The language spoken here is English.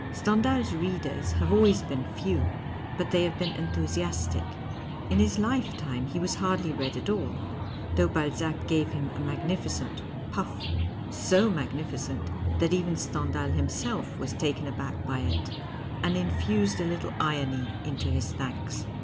Stcndiial's readers have always been few, but they have been enthusi astic. In his lifetime he was hardly read at all, though Balzac gave him a magnilicent " puff "— so magnificent that even Stendiuil himself was taken aback by it and infused a little irony into his thanks.